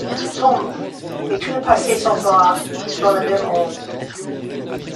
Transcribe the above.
Tombe, et tout le passé s'en va dans la même onde.